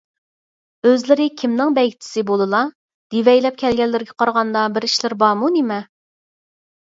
ئۆزلىرى كىمنىڭ بەگچىكى بولىلا؟ دېۋەيلەپ كەلگەنلىرىگە قارىغاندا بىر ئىشلىرى بارمۇ، نېمە؟